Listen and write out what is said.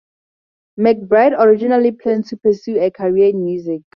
McBride originally planned to pursue a career in music.